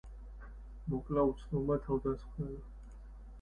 მოკლა უცნობმა თავდამსხმელმა.